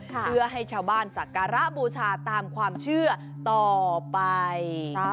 เพื่อให้ชาวบ้านสักการะบูชาตามความเชื่อต่อไป